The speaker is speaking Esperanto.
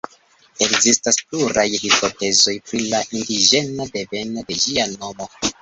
Ekzistas pluraj hipotezoj pri la indiĝena deveno de ĝia nomo.